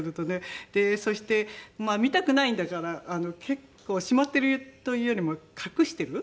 そして見たくないんだから結構しまってるというよりも隠してる。